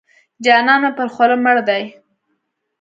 جانان مې پر خوله مړ دی.